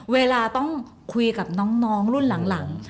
เวลาต้องคุยกับน้องรุ่นหลัง